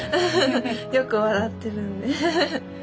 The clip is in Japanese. よく笑ってるんで。